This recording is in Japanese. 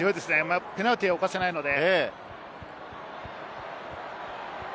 ペナルティーを犯せないので。